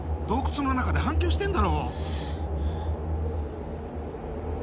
洞窟の中で反響してんだろ。